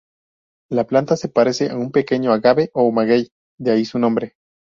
La planta se parece a un pequeño agave o maguey, de ahí su nombre.